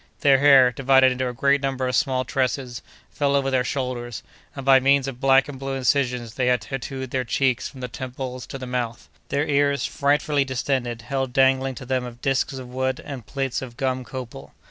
Their hair, divided into a great number of small tresses, fell over their shoulders, and by means of black and blue incisions they had tattooed their cheeks from the temples to the mouth. Their ears, frightfully distended, held dangling to them disks of wood and plates of gum copal.